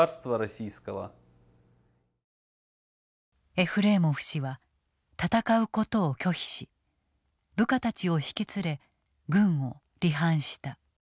エフレーモフ氏は戦うことを拒否し部下たちを引き連れ軍を離反した。